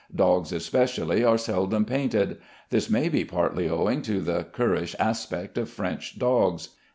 Dogs especially are seldom painted. This may be partly owing to the currish aspect of French dogs.